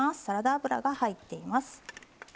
サラダ油が入っています。